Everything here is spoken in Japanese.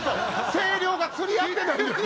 声量が釣り合ってないんですよ。